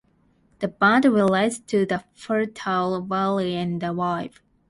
The band relates to the fertile valley and the rive.